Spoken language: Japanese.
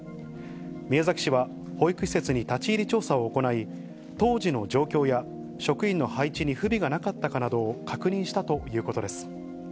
宮崎市は、保育施設に立ち入り調査を行い、当時の状況や職員の配置に不備がなかったかなどを確認したということです。